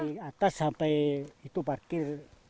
dari atas sampai itu parkir